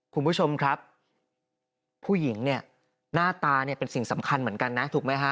คุณผู้ชมครับผู้หญิงเนี่ยหน้าตาเนี่ยเป็นสิ่งสำคัญเหมือนกันนะถูกไหมฮะ